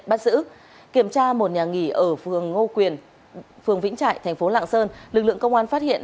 bắt giữ kiểm tra một nhà nghỉ ở phường vĩnh trại thành phố lạng sơn lực lượng công an phát hiện